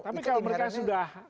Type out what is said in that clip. tapi kalau mereka sudah